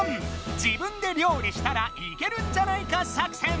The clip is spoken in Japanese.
「自分で料理したらいけるんじゃないか作戦」！